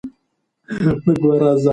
کړکۍ د هوا لپاره پرانیزئ.